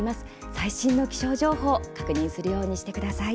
最新の気象情報を確認するようにしてください。